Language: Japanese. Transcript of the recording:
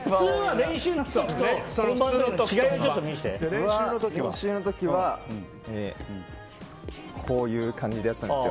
練習の時は、こういう感じでやったんですよ。